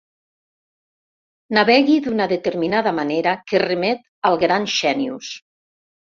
Navegui d'una determinada manera que remet al gran Xènius.